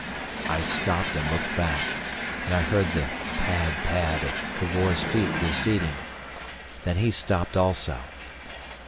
I stopped and looked back, and I heard the pad, pad of Cavor's feet receding. Then he stopped also.